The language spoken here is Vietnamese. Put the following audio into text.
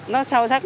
nó sao sắc